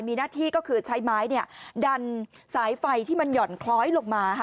มีหน้าที่ก็คือใช้ไม้ดันสายไฟที่มันหย่อนคล้อยลงมา